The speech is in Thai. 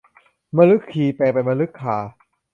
มฤคีแปลงเป็นมฤคา